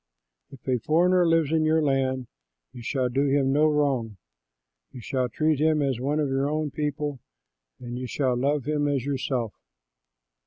If a foreigner lives in your land, you shall do him no wrong. You shall treat him as one of your own people and you shall love him as yourself.